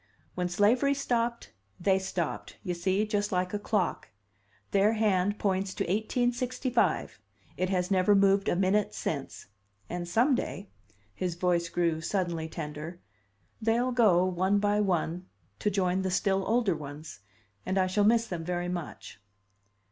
When slavery stopped, they stopped, you see, just like a clock. Their hand points to 1865 it has never moved a minute since. And some day" his voice grew suddenly tender "they'll go, one by one, to join the still older ones. And I shall miss them very much."